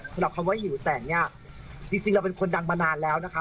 สำหรับคำว่าหิวแสงเนี่ยจริงเราเป็นคนดังมานานแล้วนะคะ